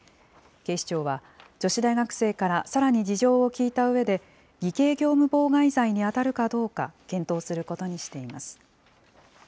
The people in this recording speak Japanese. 警視庁は、女子大学生からさらに事情を聴いたうえで、偽計業務妨害罪に当たるかどうか、検討することにしています。